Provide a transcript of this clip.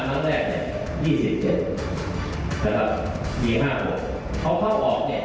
ครั้งแรกเนี่ยยี่สิบเจ็ดนะครับยี่ห้าพอเข้าออกเนี่ย